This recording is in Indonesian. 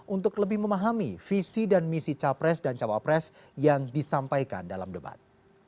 untuk lebih memahami visi dan misi capres dan cawapres yang disampaikan dalam debat